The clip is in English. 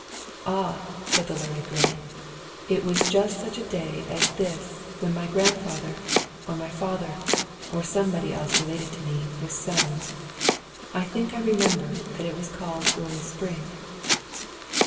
"Ah!" said the learned grain. "It was just such a day as this when my grandfather, or my father, or somebody else related to me, was sown. I think I remember that it was called Early Spring."